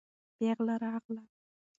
پېغله راغله.